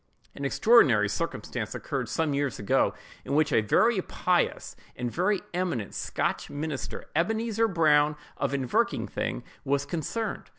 An extraordinary circumstance occurred some years ago, in which a very pious and very eminent Scotch minister, Ebenezer Brown of Inverkeithing, was concerned.